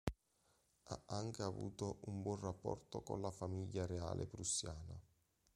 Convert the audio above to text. Ha anche avuto un buon rapporto con la famiglia reale prussiana.